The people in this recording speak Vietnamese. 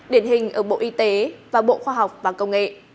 điển hình ở bộ y tế và bộ khoa học và công nghệ